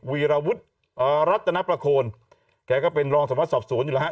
วีรวุฒิรัตนประโคนแกก็เป็นรองสมรสสอบสวนอยู่แล้วฮะ